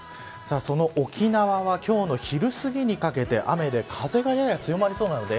沖縄は今日の昼すぎにかけて雨で風がやや強まりそうです。